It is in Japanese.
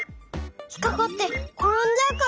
ひっかかってころんじゃうかも。